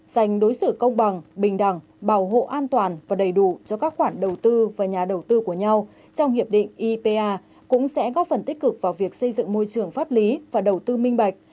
dành đối xử công bằng bình đẳng bảo hộ an toàn và đầy đủ cho các khoản đầu tư và nhà đầu tư của nhau trong hiệp định ipa cũng sẽ góp phần tích cực vào việc xây dựng môi trường pháp lý và đầu tư minh bạch